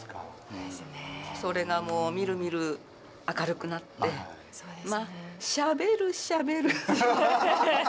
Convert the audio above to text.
それがもうみるみる明るくなってまあしゃべるしゃべる。